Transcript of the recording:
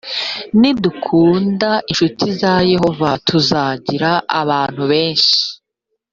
nidukunda inshuti za yehova tuzagira abantu benshi